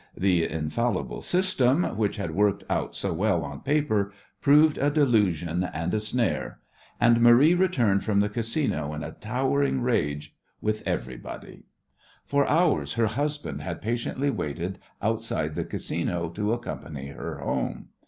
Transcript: The "infallible system," which had worked out so well on paper, proved a delusion and a snare, and Marie returned from the Casino in a towering rage with everybody. For hours her husband had patiently waited outside the Casino to accompany her home.